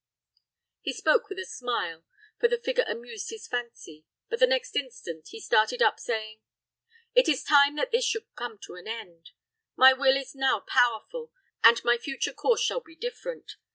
He spoke with a smile, for the figure amused his fancy; but the next instant he started up, saying, "It is time that this should come to an end. My will is now powerful, and my future course shall be different.